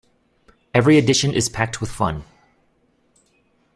Every edition is packed with fun!